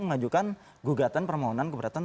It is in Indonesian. mengajukan gugatan permohonan keberatan